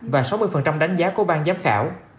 và sáu mươi đánh giá của bang giám khảo